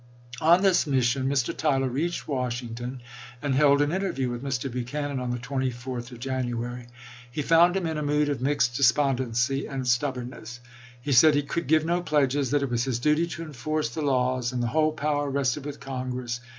On this mission Mr. Tyler reached Washington and held an interview with Mr. Buchanan on the 24th lsei. of January. He found him in a mood of mixed despondency and stubbornness. He said " he could give no pledges ; that it was his duty to enforce the laws, and the whole power rested with Congress.